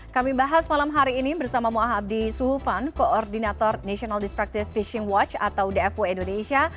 kami bahas malam hari ini bersama moa habdi suhufan koordinator national destructive fishing watch atau dfu indonesia